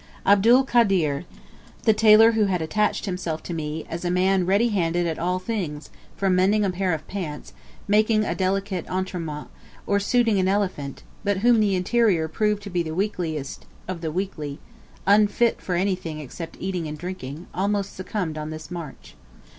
Abdul Kader, the tailor who had attached himself to me, as a man ready handed at all things, from mending a pair of pants, making a delicate entremets, or shooting an elephant, but whom the interior proved to be the weakliest of the weakly, unfit for anything except eating and drinking almost succumbed on this march.